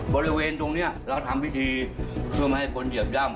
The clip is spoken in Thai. บริเวณตรงนี้เราทำพิธีเพื่อไม่ให้คนเหยียบย่ำ